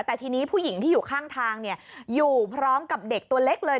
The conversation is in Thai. แต่ทีนี้ผู้หญิงที่อยู่ข้างทางอยู่พร้อมกับเด็กตัวเล็กเลย